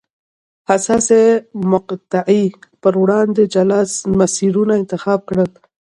حساسې مقطعې په وړاندې جلا مسیرونه انتخاب کړل.